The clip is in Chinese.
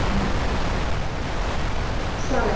萨莱尔姆。